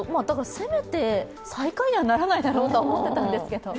せめて最下位にはならないだろうと思ってたんですけど。